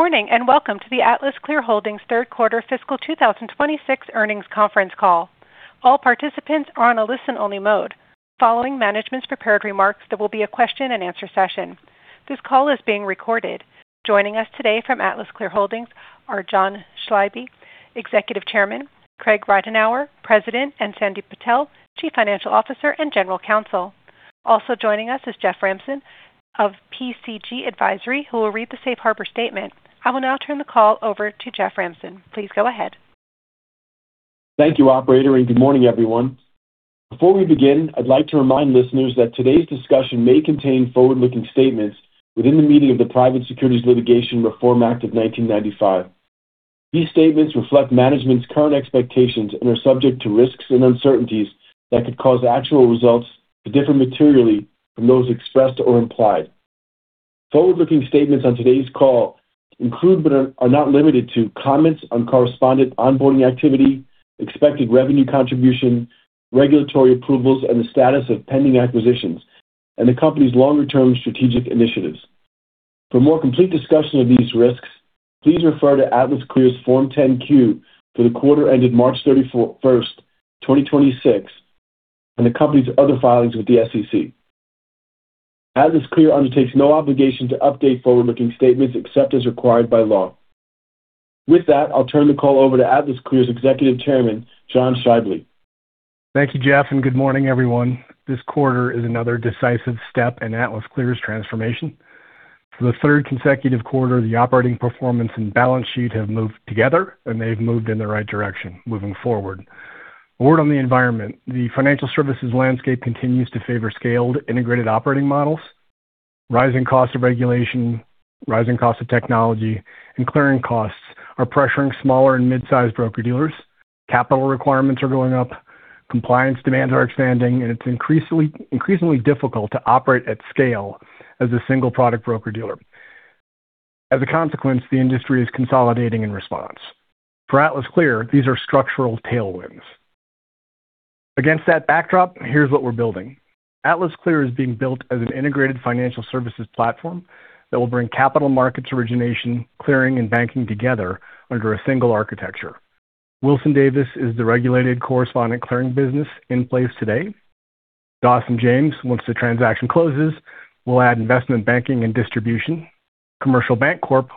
Good morning, and welcome to the AtlasClear Holdings Third Quarter Fiscal 2026 Earnings Conference Call. All participants are on a listen-only mode. Following management's prepared remarks, there will be a question-and-answer session. This call is being recorded. Joining us today from AtlasClear Holdings are John Schaible, Executive Chairman, Craig Ridenhour, President, and Sandip Patel, Chief Financial Officer and General Counsel. Also joining us is Jeff Ramson of PCG Advisory, who will read the Safe Harbor statement. I will now turn the call over to Jeff Ramson. Please go ahead. Thank you, operator, and good morning, everyone. Before we begin, I'd like to remind listeners that today's discussion may contain forward-looking statements within the meaning of the Private Securities Litigation Reform Act of 1995. These statements reflect management's current expectations and are subject to risks and uncertainties that could cause actual results to differ materially from those expressed or implied. Forward-looking statements on today's call include, but are not limited to comments on correspondent onboarding activity, expected revenue contribution, regulatory approvals, and the status of pending acquisitions, and the company's longer-term strategic initiatives. For more complete discussion of these risks, please refer to AtlasClear's Form 10-Q for the quarter ended March 31st, 2026, and the company's other filings with the SEC. AtlasClear undertakes no obligation to update forward-looking statements except as required by law. With that, I'll turn the call over to AtlasClear's Executive Chairman, John Schaible. Thank you, Jeff. Good morning, everyone. This quarter is another decisive step in AtlasClear's transformation. For the third consecutive quarter, the operating performance and balance sheet have moved together, and they've moved in the right direction moving forward. Word on the environment. The financial services landscape continues to favor scaled integrated operating models. Rising costs of regulation, rising costs of technology and clearing costs are pressuring smaller and mid-sized broker-dealers. Capital requirements are going up, compliance demands are expanding, and it's increasingly difficult to operate at scale as a single product broker-dealer. As a consequence, the industry is consolidating in response. For AtlasClear, these are structural tailwinds. Against that backdrop, here's what we're building. AtlasClear is being built as an integrated financial services platform that will bring capital markets origination, clearing, and banking together under a single architecture. Wilson Davis is the regulated correspondent clearing business in place today. Dawson James, once the transaction closes, will add investment banking and distribution. Commercial Bancorp,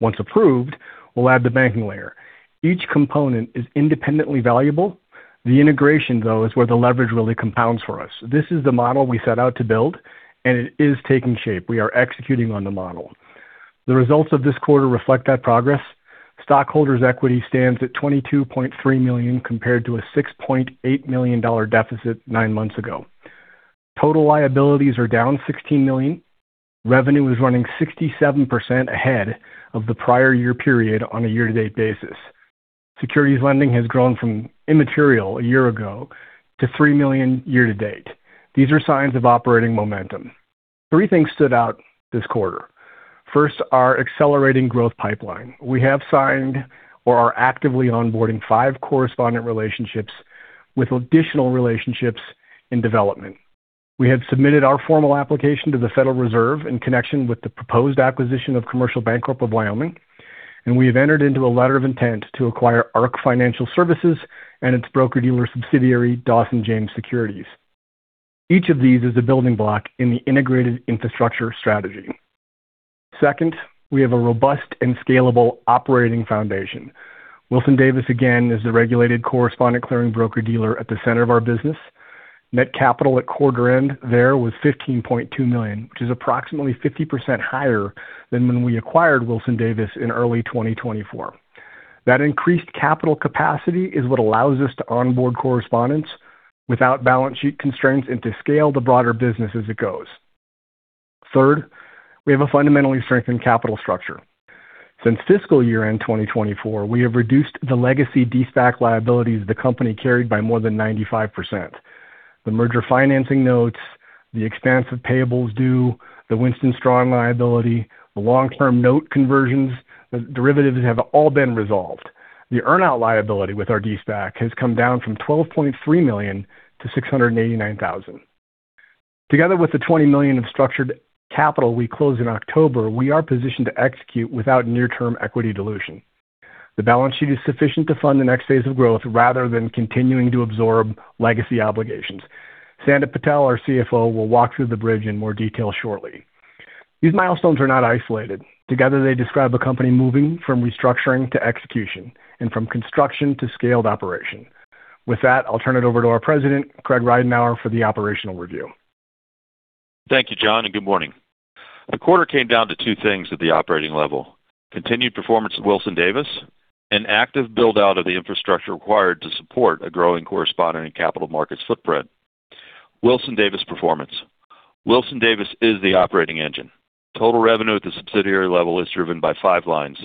once approved, will add the banking layer. Each component is independently valuable. The integration, though, is where the leverage really compounds for us. This is the model we set out to build, and it is taking shape. We are executing on the model. The results of this quarter reflect that progress. Stockholders' equity stands at $22.3 million compared to a $6.8 million deficit nine months ago. Total liabilities are down $16 million. Revenue is running 67% ahead of the prior year period on a year-to-date basis. Securities lending has grown from immaterial a year ago to $3 million year-to-date. These are signs of operating momentum. Three things stood out this quarter. First, our accelerating growth pipeline. We have signed or are actively onboarding five correspondent relationships with additional relationships in development. We have submitted our formal application to the Federal Reserve in connection with the proposed acquisition of Commercial Bancorp of Wyoming, and we have entered into a letter of intent to acquire Ark Financial Services and its broker-dealer subsidiary, Dawson James Securities. Each of these is a building block in the integrated infrastructure strategy. Second, we have a robust and scalable operating foundation. Wilson-Davis, again, is the regulated correspondent clearing broker-dealer at the center of our business. Net capital at quarter end there was $15.2 million, which is approximately 50% higher than when we acquired Wilson-Davis in early 2024. That increased capital capacity is what allows us to onboard correspondents without balance sheet constraints and to scale the broader business as it goes. Third, we have a fundamentally strengthened capital structure. Since fiscal year-end 2024, we have reduced the legacy de-SPAC liabilities the company carried by more than 95%. The merger financing notes, the expansive payables due, the Winston & Strawn liability, the long-term note conversions, the derivatives have all been resolved. The earn-out liability with our de-SPAC has come down from $12.3 million to $689,000. Together with the $20 million of structured capital we closed in October, we are positioned to execute without near-term equity dilution. The balance sheet is sufficient to fund the next phase of growth rather than continuing to absorb legacy obligations. Sandip Patel, our CFO, will walk through the bridge in more detail shortly. These milestones are not isolated. Together, they describe a company moving from restructuring to execution and from construction to scaled operation. With that, I'll turn it over to our President, Craig Ridenhour, for the operational review. Thank you, John. Good morning. The quarter came down to two things at the operating level: Continued performance of Wilson Davis and active build-out of the infrastructure required to support a growing correspondent and capital markets footprint. Wilson Davis performance. Wilson Davis is the operating engine. Total revenue at the subsidiary level is driven by five lines.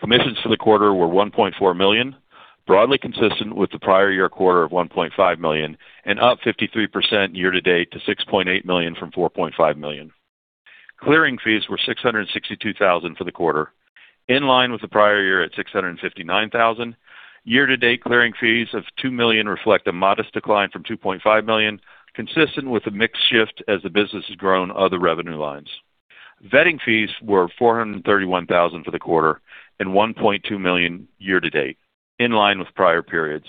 Commissions for the quarter were $1.4 million, broadly consistent with the prior year quarter of $1.5 million and up 53% year-to-date to $6.8 million from $4.5 million. Clearing fees were $662,000 for the quarter, in line with the prior year at $659,000. Year-to-date clearing fees of $2 million reflect a modest decline from $2.5 million, consistent with the mix shift as the business has grown other revenue lines. Vetting fees were $431,000 for the quarter and $1.2 million year-to-date, in line with prior periods.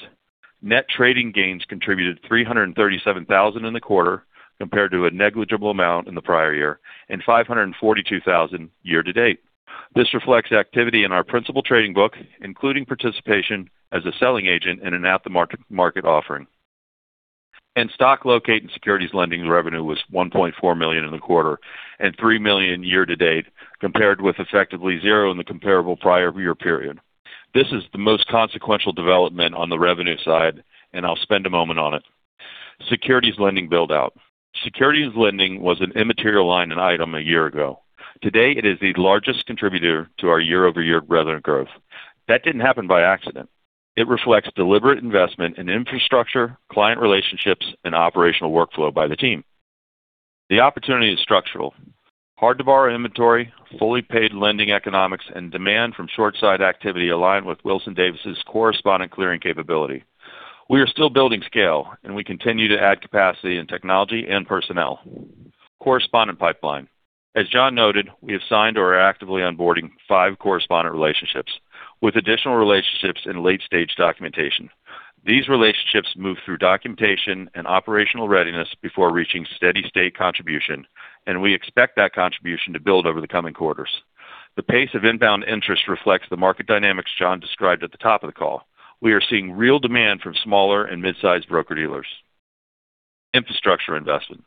Net trading gains contributed $337,000 in the quarter compared to a negligible amount in the prior year and $542,000 year-to-date. This reflects activity in our principal trading book, including participation as a selling agent in an at-the-market offering. Stock locate and securities lending revenue was $1.4 million in the quarter and $3 million year-to-date compared with effectively zero in the comparable prior year period. This is the most consequential development on the revenue side, and I'll spend a moment on it. Securities lending build-out. Securities lending was an immaterial line and item a year ago. Today, it is the largest contributor to our year-over-year revenue growth. That didn't happen by accident. It reflects deliberate investment in infrastructure, client relationships, and operational workflow by the team. The opportunity is structural. Hard-to-borrow inventory, fully paid lending economics, and demand from short side activity align with Wilson-Davis' correspondent clearing capability. We are still building scale, and we continue to add capacity in technology and personnel. Correspondent pipeline. As John noted, we have signed or are actively onboarding five correspondent relationships with additional relationships in late-stage documentation. These relationships move through documentation and operational readiness before reaching steady-state contribution, and we expect that contribution to build over the coming quarters. The pace of inbound interest reflects the market dynamics John described at the top of the call. We are seeing real demand from smaller and mid-sized broker-dealers. Infrastructure investment.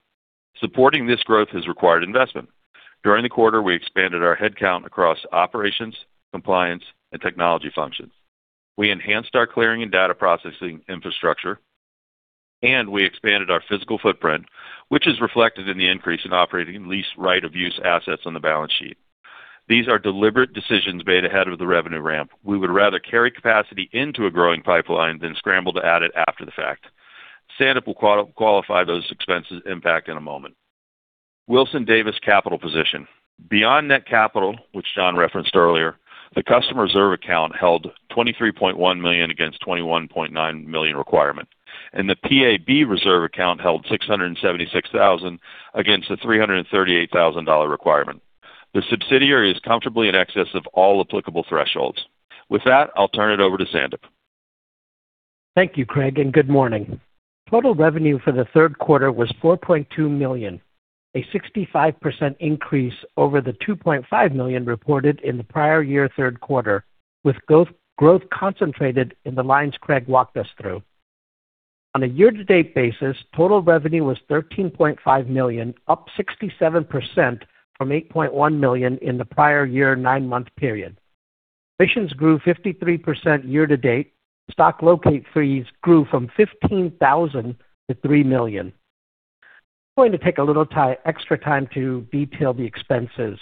Supporting this growth has required investment. During the quarter, we expanded our headcount across operations, compliance, and technology functions. We enhanced our clearing and data processing infrastructure, and we expanded our physical footprint, which is reflected in the increase in operating lease right-of-use assets on the balance sheet. These are deliberate decisions made ahead of the revenue ramp. We would rather carry capacity into a growing pipeline than scramble to add it after the fact. Sandip will qualify those expenses impact in a moment. Wilson-Davis capital position. Beyond net capital, which John referenced earlier, the customer reserve account held $23.1 million against $21.9 million requirement, and the PAB reserve account held $676,000 against the $338,000 requirement. The subsidiary is comfortably in excess of all applicable thresholds. With that, I'll turn it over to Sandip. Thank you, Craig, good morning. Total revenue for the third quarter was $4.2 million, a 65% increase over the $2.5 million reported in the prior year third quarter, with growth concentrated in the lines Craig walked us through. On a year-to-date basis, total revenue was $13.5 million, up 67% from $8.1 million in the prior year nine-month period. Commissions grew 53% year-to-date. Stock locate fees grew from $15,000 to $3 million. I'm going to take a little extra time to detail the expenses.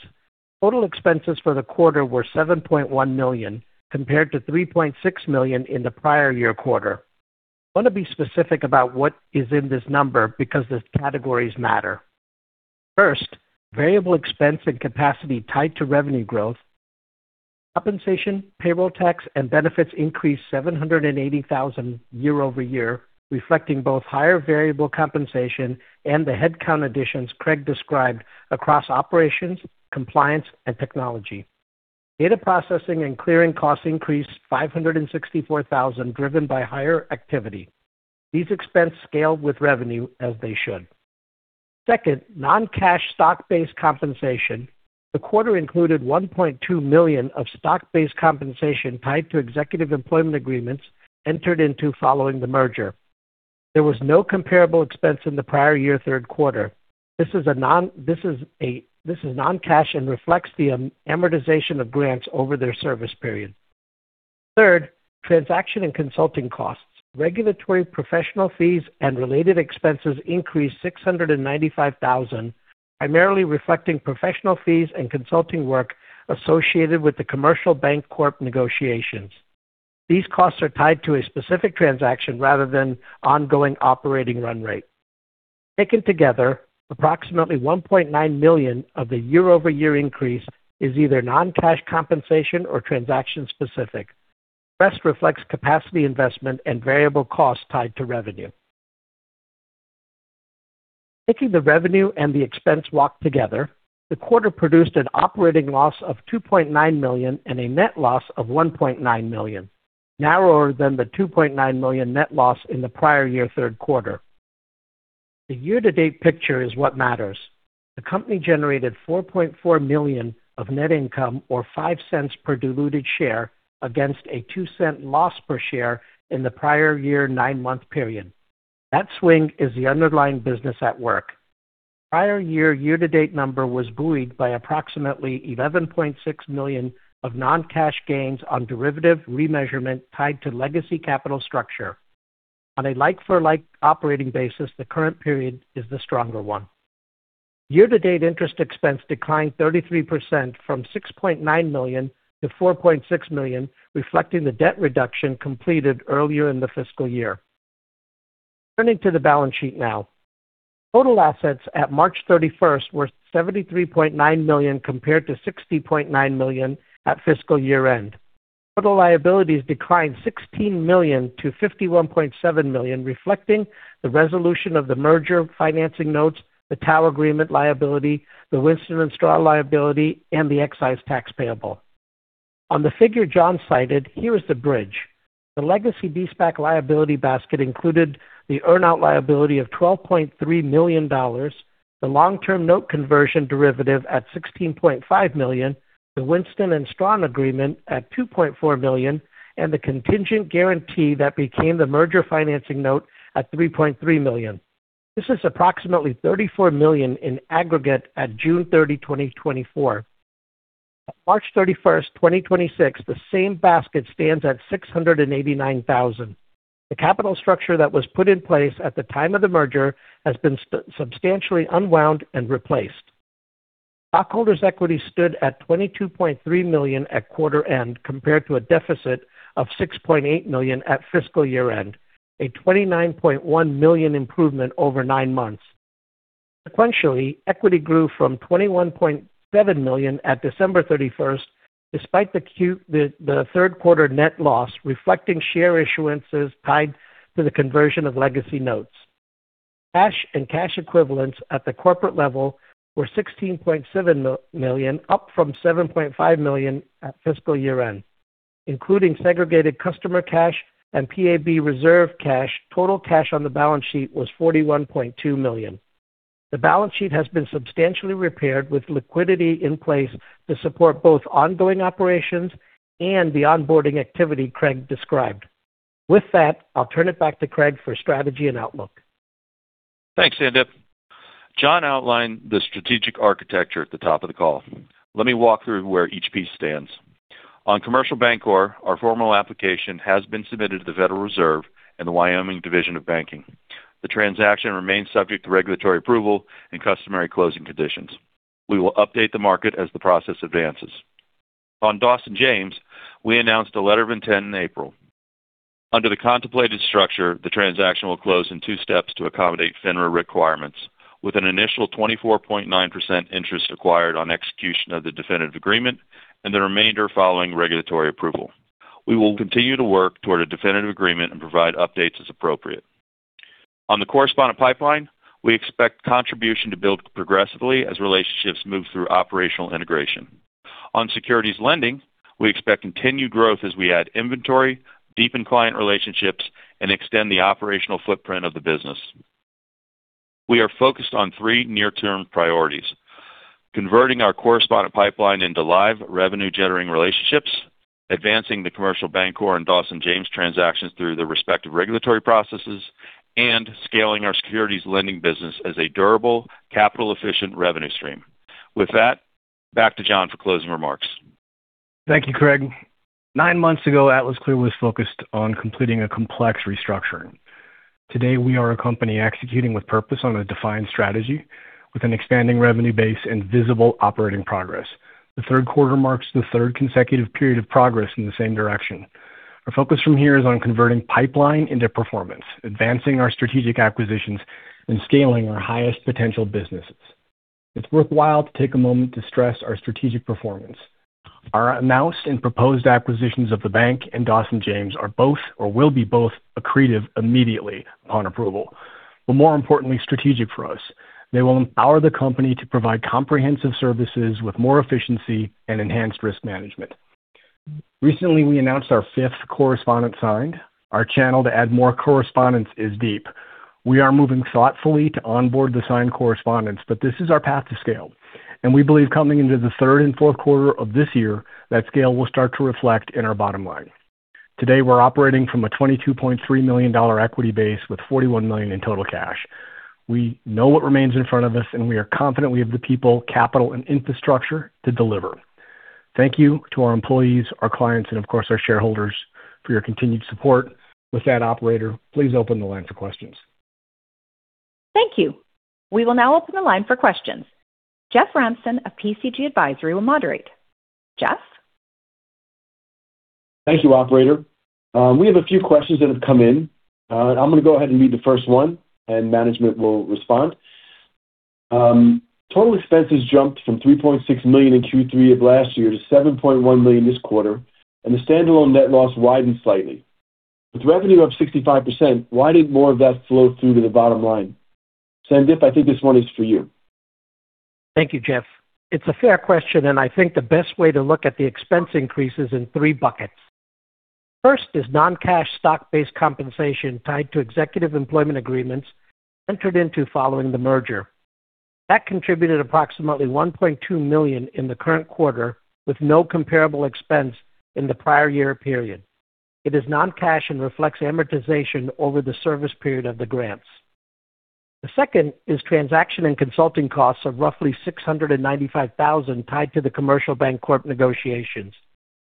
Total expenses for the quarter were $7.1 million compared to $3.6 million in the prior year quarter. I want to be specific about what is in this number because the categories matter. First, variable expense and capacity tied to revenue growth. Compensation, payroll tax, and benefits increased $780,000 year-over-year, reflecting both higher variable compensation and the headcount additions Craig described across operations, compliance, and technology. Data processing and clearing costs increased $564,000, driven by higher activity. These expenses scaled with revenue as they should. Second, non-cash stock-based compensation. The quarter included $1.2 million of stock-based compensation tied to executive employment agreements entered into following the merger. There was no comparable expense in the prior year third quarter. This is non-cash and reflects the amortization of grants over their service period. Third, transaction and consulting costs. Regulatory professional fees and related expenses increased $695,000, primarily reflecting professional fees and consulting work associated with the Commercial Bancorp negotiations. These costs are tied to a specific transaction rather than ongoing operating run rate. Taken together, approximately $1.9 million of the year-over-year increase is either non-cash compensation or transaction-specific. The rest reflects capacity investment and variable costs tied to revenue. Taking the revenue and the expense walk together, the quarter produced an operating loss of $2.9 million and a net loss of $1.9 million, narrower than the $2.9 million net loss in the prior year third quarter. The year-to-date picture is what matters. The company generated $4.4 million of net income or $0.05 per diluted share against a $0.02 loss per share in the prior year nine-month period. That swing is the underlying business at work. Prior year-to-date number was buoyed by approximately $11.6 million of non-cash gains on derivative remeasurement tied to legacy capital structure. On a like-for-like operating basis, the current period is the stronger one. Year-to-date interest expense declined 33% from $6.9 million to $4.6 million, reflecting the debt reduction completed earlier in the fiscal year. Turning to the balance sheet now. Total assets at March 31st were $73.9 million compared to $60.9 million at fiscal year-end. Total liabilities declined $16 million to $51.7 million, reflecting the resolution of the merger financing notes, the tower agreement liability, the Winston & Strawn liability, and the excise tax payable. On the figure John cited, here is the bridge. The legacy de-SPAC liability basket included the earn-out liability of $12.3 million, the long-term note conversion derivative at $16.5 million, the Winston & Strawn agreement at $2.4 million, the contingent guarantee that became the merger financing note at $3.3 million. This is approximately $34 million in aggregate at June 30, 2024. At March 31, 2026, the same basket stands at $689,000. The capital structure that was put in place at the time of the merger has been substantially unwound and replaced. Stockholders' equity stood at $22.3 million at quarter end compared to a deficit of $6.8 million at fiscal year-end, a $29.1 million improvement over nine months. Sequentially, equity grew from $21.7 million at December 31st despite the third quarter net loss reflecting share issuances tied to the conversion of legacy notes. Cash and cash equivalents at the corporate level were $16.7 million, up from $7.5 million at fiscal year-end. Including segregated customer cash and PAB reserve cash, total cash on the balance sheet was $41.2 million. The balance sheet has been substantially repaired with liquidity in place to support both ongoing operations and the onboarding activity Craig described. With that, I'll turn it back to Craig for strategy and outlook. Thanks, Sandip. John outlined the strategic architecture at the top of the call. Let me walk through where each piece stands. On Commercial Bancorp, our formal application has been submitted to the Federal Reserve and the Wyoming Division of Banking. The transaction remains subject to regulatory approval and customary closing conditions. We will update the market as the process advances. On Dawson James, we announced a letter of intent in April. Under the contemplated structure, the transaction will close in two steps to accommodate FINRA requirements, with an initial 24.9% interest acquired on execution of the definitive agreement and the remainder following regulatory approval. We will continue to work toward a definitive agreement and provide updates as appropriate. On the correspondent pipeline, we expect contribution to build progressively as relationships move through operational integration On securities lending, we expect continued growth as we add inventory, deepen client relationships, and extend the operational footprint of the business. We are focused on three near-term priorities: converting our correspondent pipeline into live revenue-generating relationships, advancing the Commercial Bancorp and Dawson James transactions through the respective regulatory processes, and scaling our securities lending business as a durable, capital-efficient revenue stream. With that, back to John for closing remarks. Thank you, Craig. Nine months ago, AtlasClear was focused on completing a complex restructuring. Today, we are a company executing with purpose on a defined strategy with an expanding revenue base and visible operating progress. The third quarter marks the third consecutive period of progress in the same direction. Our focus from here is on converting pipeline into performance, advancing our strategic acquisitions, and scaling our highest potential businesses. It's worthwhile to take a moment to stress our strategic performance. Our announced and proposed acquisitions of the bank and Dawson James are both, or will be both accretive immediately upon approval. More importantly, strategic for us. They will empower the company to provide comprehensive services with more efficiency and enhanced risk management. Recently, we announced our fifth correspondent signed. Our channel to add more correspondents is deep. We are moving thoughtfully to onboard the signed correspondents, but this is our path to scale. We believe coming into the third and fourth quarter of this year, that scale will start to reflect in our bottom line. Today, we're operating from a $22.3 million equity base with $41 million in total cash. We know what remains in front of us, and we are confident we have the people, capital, and infrastructure to deliver. Thank you to our employees, our clients, and of course, our shareholders for your continued support. With that, operator, please open the line for questions. Thank you. We will now open the line for questions. Jeff Ramson of PCG Advisory will moderate. Jeff? Thank you, operator. We have a few questions that have come in. I'm gonna go ahead and read the first one and management will respond. Total expenses jumped from $3.6 million in Q3 of last year to $7.1 million this quarter, and the standalone net loss widened slightly. With revenue up 65%, why did more of that flow through to the bottom line? Sandip, I think this one is for you. Thank you, Jeff. It's a fair question, and I think the best way to look at the expense increase is in three buckets. First is non-cash stock-based compensation tied to executive employment agreements entered into following the merger. That contributed approximately $1.2 million in the current quarter with no comparable expense in the prior year period. It is non-cash and reflects amortization over the service period of the grants. The second is transaction and consulting costs of roughly $695,000 tied to the Commercial Bancorp negotiations.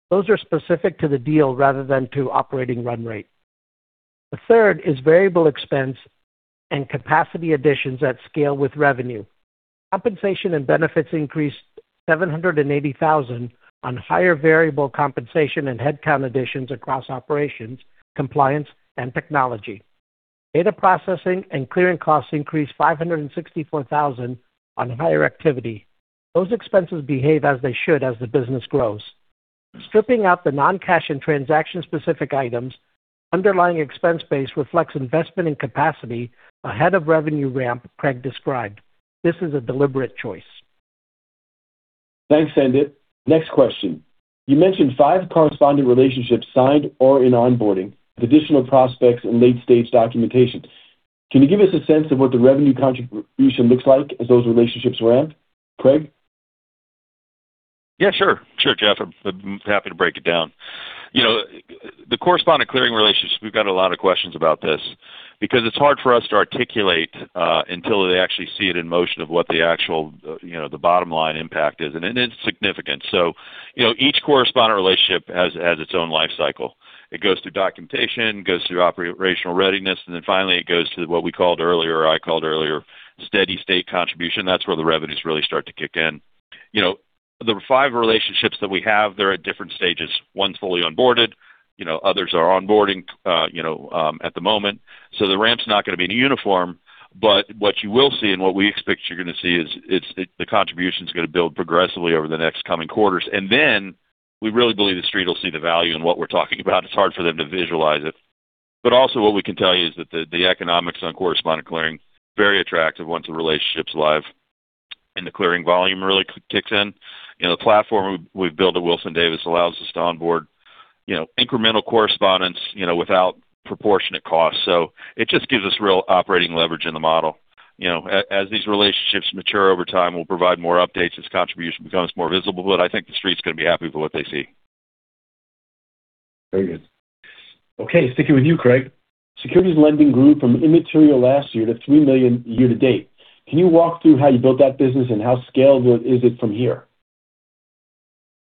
Those are specific to the deal rather than to operating run rate. The third is variable expense and capacity additions at scale with revenue. Compensation and benefits increased $780,000 on higher variable compensation and headcount additions across operations, compliance, and technology. Data processing and clearing costs increased $564,000 on higher activity. Those expenses behave as they should as the business grows. Stripping out the non-cash and transaction-specific items, underlying expense base reflects investment in capacity ahead of revenue ramp Craig described. This is a deliberate choice. Thanks, Sandip. Next question. You mentioned five corresponding relationships signed or in onboarding with additional prospects in late-stage documentation. Can you give us a sense of what the revenue contribution looks like as those relationships ramp? Craig? Yeah, sure. Sure, Jeff. I'm happy to break it down. You know, the correspondent clearing relationship, we've got a lot of questions about this because it's hard for us to articulate until they actually see it in motion of what the actual, you know, the bottom line impact is, and it is significant. You know, each correspondent relationship has its own life cycle. It goes through documentation, goes through operational readiness, and then finally it goes to what we called earlier, or I called earlier, steady-state contribution. That's where the revenues really start to kick in. You know, the five relationships that we have, they're at different stages. One's fully onboarded, you know, others are onboarding, you know, at the moment. The ramp's not gonna be uniform, but what you will see and what we expect you're gonna see is the contribution's gonna build progressively over the next coming quarters. We really believe the Street will see the value in what we're talking about. It's hard for them to visualize it. Also what we can tell you is that the economics on correspondent clearing, very attractive once the relationship's live and the clearing volume really kicks in. You know, the platform we've built at Wilson-Davis allows us to onboard, you know, incremental correspondents, you know, without proportionate cost. It just gives us real operating leverage in the model. You know, as these relationships mature over time, we'll provide more updates as contribution becomes more visible, but I think the street's gonna be happy with what they see. Very good. Okay, sticking with you, Craig. Securities lending grew from immaterial last year to $3 million year-to-date. Can you walk through how you built that business and how scalable is it from here?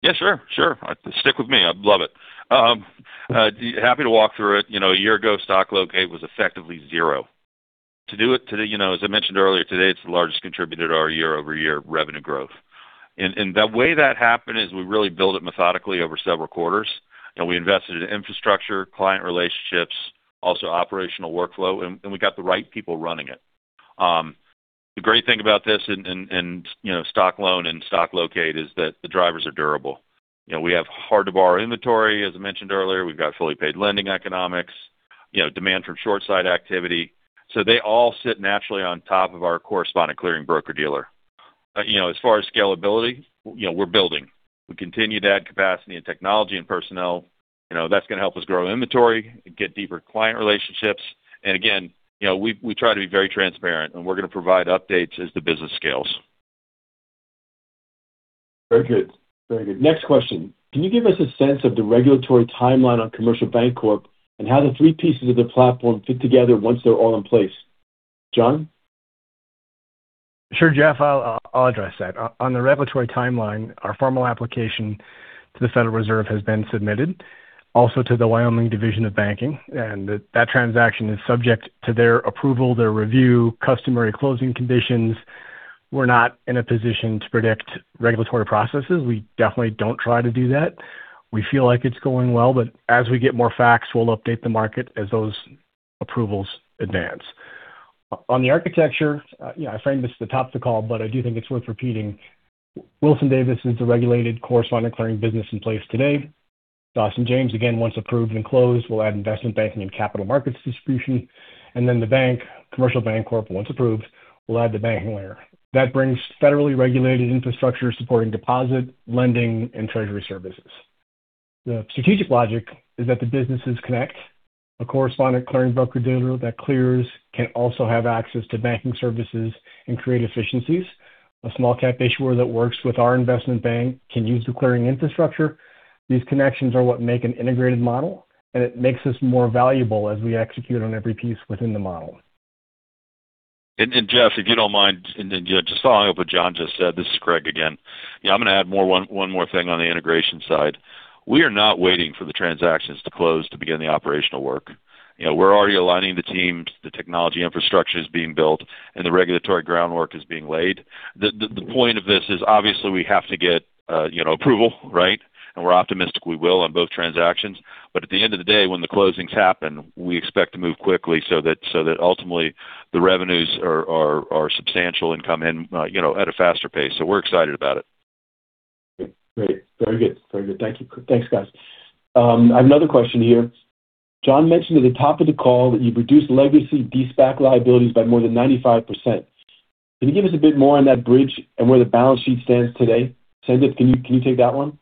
Yeah, sure. Stick with me. I love it. Happy to walk through it. You know, a year ago, stock locate was effectively zero. To do it today, you know, as I mentioned earlier, today it's the largest contributor to our year-over-year revenue growth. The way that happened is we really built it methodically over several quarters, and we invested in infrastructure, client relationships, also operational workflow, and we got the right people running it. The great thing about this, you know, stock loan and stock locate is that the drivers are durable. You know, we have hard-to-borrow inventory, as I mentioned earlier. We've got fully paid lending economics, you know, demand from short side activity. They all sit naturally on top of our correspondent clearing broker-dealer. You know, as far as scalability, you know, we're building. We continue to add capacity and technology and personnel. You know, that's gonna help us grow inventory and get deeper client relationships. Again, you know, we try to be very transparent, and we're gonna provide updates as the business scales. Very good. Very good. Next question. Can you give us a sense of the regulatory timeline on Commercial Bancorp and how the three pieces of the platform fit together once they're all in place? John? Sure, Jeff. I'll address that. On the regulatory timeline, our formal application to the Federal Reserve has been submitted, also to the Wyoming Division of Banking. That transaction is subject to their approval, their review, customary closing conditions. We're not in a position to predict regulatory processes. We definitely don't try to do that. We feel like it's going well. As we get more facts, we'll update the market as those approvals advance. On the architecture, you know, I framed this at the top of the call. I do think it's worth repeating. Wilson Davis is the regulated correspondent clearing business in place today. Dawson James, again, once approved and closed, will add investment banking and capital markets distribution. Then the bank, Commercial Bancorp, once approved, will add the banking layer. That brings federally regulated infrastructure supporting deposit, lending, and treasury services. The strategic logic is that the businesses connect. A correspondent clearing broker-dealer that clears can also have access to banking services and create efficiencies. A small cap issuer that works with our investment bank can use the clearing infrastructure. These connections are what make an integrated model, and it makes us more valuable as we execute on every piece within the model. Jeff, if you don't mind, just following up what John just said, this is Craig again. I'm gonna add one more thing on the integration side. We are not waiting for the transactions to close to begin the operational work. You know, we're already aligning the teams, the technology infrastructure is being built, and the regulatory groundwork is being laid. The point of this is obviously we have to get, you know, approval, right? We're optimistic we will on both transactions. At the end of the day, when the closings happen, we expect to move quickly so that ultimately the revenues are substantial and come in, you know, at a faster pace. We're excited about it. Great. Very good. Very good. Thank you. Thanks, guys. Another question here. John mentioned at the top of the call that you've reduced legacy de-SPAC liabilities by more than 95%. Can you give us a bit more on that bridge and where the balance sheet stands today? Sandip, can you take that one?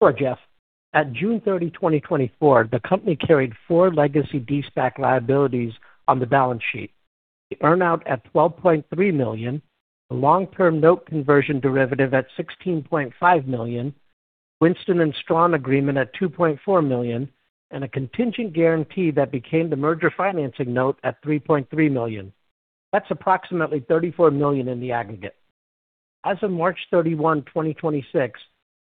Sure, Jeff. At June 30, 2024, the company carried four legacy de-SPAC liabilities on the balance sheet. The earn-out at $12.3 million, the long-term note conversion derivative at $16.5 million, Winston & Strawn agreement at $2.4 million, and a contingent guarantee that became the merger financing note at $3.3 million. That's approximately $34 million in the aggregate. As of March 31, 2026,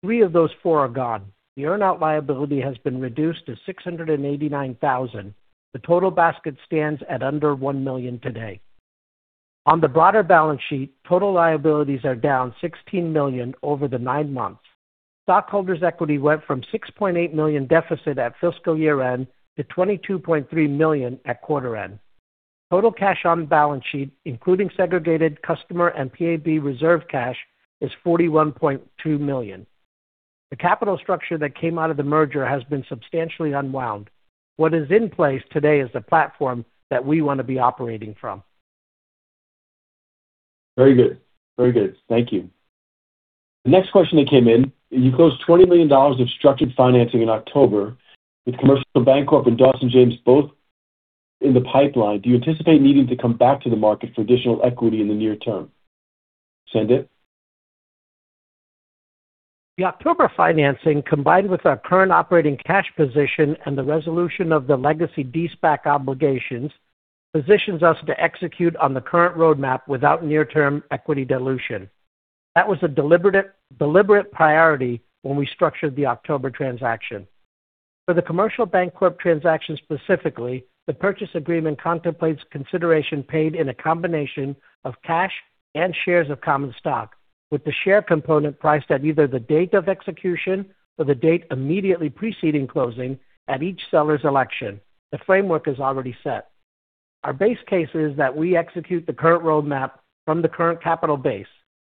three of those four are gone. The earn-out liability has been reduced to $689,000. The total basket stands at under $1 million today. On the broader balance sheet, total liabilities are down $16 million over the nine months. Stockholders equity went from $6.8 million deficit at fiscal year-end to $22.3 million at quarter-end. Total cash on the balance sheet, including segregated customer and PAB reserve cash, is $41.2 million. The capital structure that came out of the merger has been substantially unwound. What is in place today is the platform that we want to be operating from. Very good. Very good. Thank you. The next question that came in: You closed $20 million of structured financing in October with Commercial Bancorp and Dawson James both in the pipeline. Do you anticipate needing to come back to the market for additional equity in the near term? Sandip? The October financing, combined with our current operating cash position and the resolution of the legacy de-SPAC obligations, positions us to execute on the current roadmap without near-term equity dilution. That was a deliberate priority when we structured the October transaction. For the Commercial Bancorp transaction specifically, the purchase agreement contemplates consideration paid in a combination of cash and shares of common stock, with the share component priced at either the date of execution or the date immediately preceding closing at each seller's election. The framework is already set. Our base case is that we execute the current roadmap from the current capital base.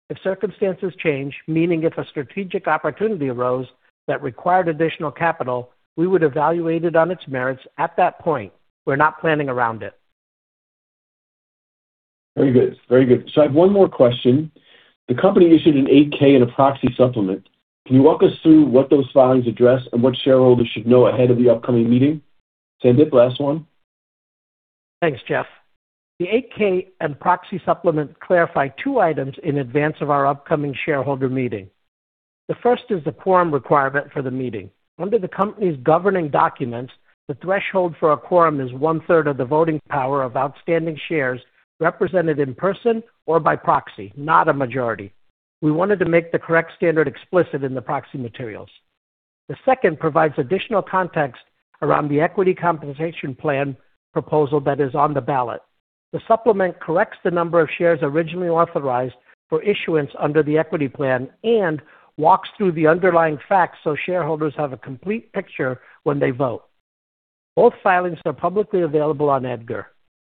If circumstances change, meaning if a strategic opportunity arose that required additional capital, we would evaluate it on its merits at that point. We're not planning around it. Very good. Very good. I have one more question. The company issued a Form 8-K and a proxy supplement. Can you walk us through what those filings address and what shareholders should know ahead of the upcoming meeting? Sandip, last one. Thanks, Jeff. The Form 8-K and proxy supplement clarify two items in advance of our upcoming shareholder meeting. The first is the quorum requirement for the meeting. Under the company's governing documents, the threshold for a quorum is one-third of the voting power of outstanding shares represented in person or by proxy, not a majority. We wanted to make the correct standard explicit in the proxy materials. The second provides additional context around the equity compensation plan proposal that is on the ballot. The supplement corrects the number of shares originally authorized for issuance under the equity plan and walks through the underlying facts so shareholders have a complete picture when they vote. Both filings are publicly available on EDGAR.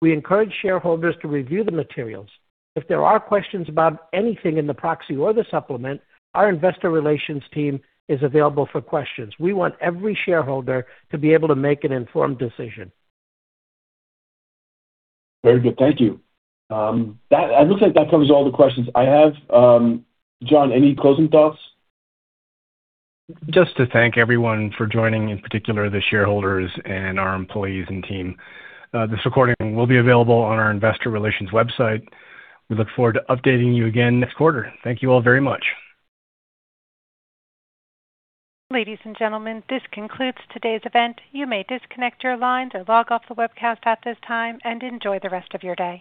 We encourage shareholders to review the materials. If there are questions about anything in the proxy or the supplement, our investor relations team is available for questions. We want every shareholder to be able to make an informed decision. Very good. Thank you. It looks like that covers all the questions I have. John, any closing thoughts? Just to thank everyone for joining, in particular the shareholders and our employees and team. This recording will be available on our Investor Relations website. We look forward to updating you again next quarter. Thank you all very much. Ladies and gentlemen, this concludes today's event. You may disconnect your lines or log off the webcast at this time, and enjoy the rest of your day.